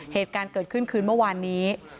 เหตุการณ์เกิดขึ้นคืนเมื่อวานนี้